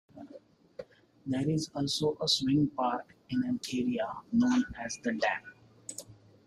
There is also a swing park in an area known as The Dam.